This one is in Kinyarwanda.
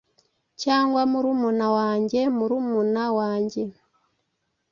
Cyangwa murumuna wanjye murumuna wanjye?